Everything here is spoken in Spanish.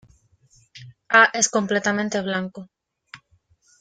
A es completamente blanco.